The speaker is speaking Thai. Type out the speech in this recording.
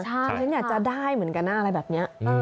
ใช่ฉันอยากจะได้เหมือนกันอะแบบนี้